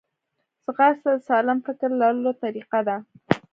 ځغاسته د سالم فکر لرلو طریقه ده